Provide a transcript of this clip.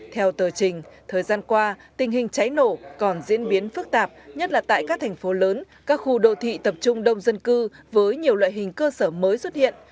theo tờ trình thời gian qua tình hình cháy nổ còn diễn biến phức tạp nhất là tại các thành phố lớn các khu đô thị tập trung đông dân cư với nhiều loại hình cơ sở mới xuất hiện